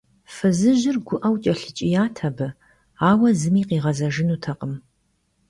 Фызыжьыр гуӀэу кӀэлъыкӀият абы, ауэ зыми къигъэзэжынутэкъым.